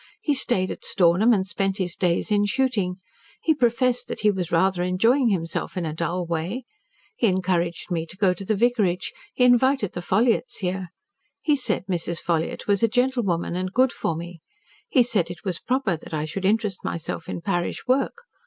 He stayed at Stornham and spent his days in shooting. He professed that he was rather enjoying himself in a dull way. He encouraged me to go to the vicarage, he invited the Ffolliotts here. He said Mrs. Ffolliott was a gentlewoman and good for me. He said it was proper that I should interest myself in parish work.